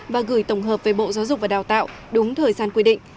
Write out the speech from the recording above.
và gửi tổng hợp về bộ giáo dục và đào tạo đúng thời gian quy định